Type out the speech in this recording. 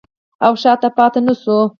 او شاته پاتې نشو.